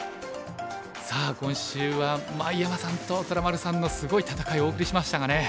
さあ今週は井山さんと虎丸さんのすごい戦いをお送りしましたがね。